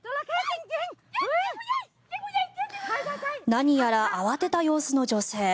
何やら慌てた様子の女性。